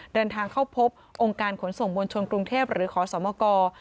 เดินทางเข้าพบองค์การขนส่งมวลชนกรุงเทพหรือขอสมก